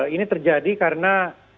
ini terjadi karena